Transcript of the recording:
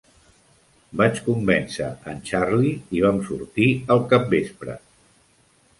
Vaig convèncer en Charley i vam sortir al capvespre.